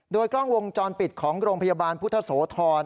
โดยกล้องวงจรปิดของโรงพยาบาลพุทธโสธร